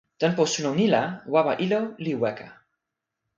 tenpo suno ni la wawa ilo li weka.